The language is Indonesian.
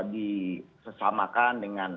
di sesamakan dengan